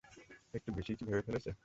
একটু বেশিই কি ভেবে ফেলেছ?